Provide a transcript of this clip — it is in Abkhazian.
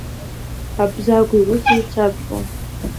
Абзагә иус еицәабтәуан.